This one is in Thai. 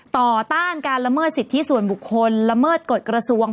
ต้านการละเมิดสิทธิส่วนบุคคลละเมิดกฎกระทรวง